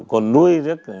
còn nuôi rất